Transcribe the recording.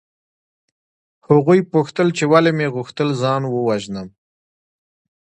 هغوی پوښتل چې ولې مې غوښتل ځان ووژنم